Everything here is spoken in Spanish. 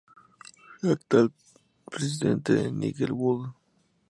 El actual presidente es Nigel Wood.